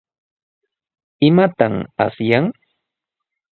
¿Imataq asyan?